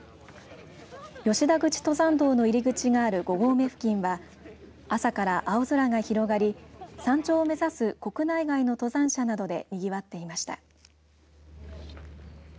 吉田口登山道の入り口がある５合目付近は朝から青空が広がり山頂を目指す国内外の登山者などでにぎわっていました。